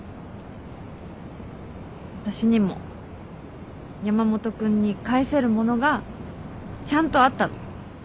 私にも山本君に返せるものがちゃんとあったの。